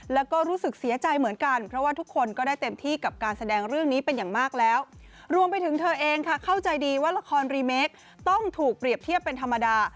แล้วก็รู้สึกเสียใจเหมือนกันเพราะว่า